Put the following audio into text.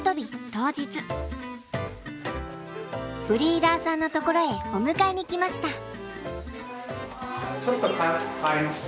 ブリーダーさんの所へお迎えに来ました。